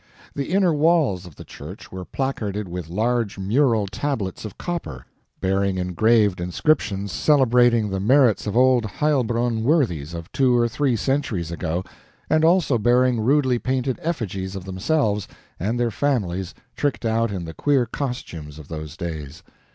The inner walls of the church were placarded with large mural tablets of copper, bearing engraved inscriptions celebrating the merits of old Heilbronn worthies of two or three centuries ago, and also bearing rudely painted effigies of themselves and their families tricked out in the queer costumes of those days.